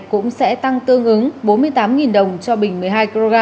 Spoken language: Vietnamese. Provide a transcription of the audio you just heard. cũng sẽ tăng tương ứng bốn mươi tám đồng cho bình một mươi hai kg